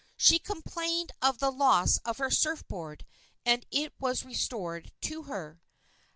She complained of the loss of her surf board, and it was restored to her.